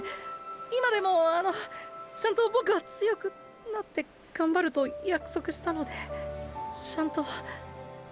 今でもあのちゃんとボクは強くなってがんばると約束したのでちゃんと。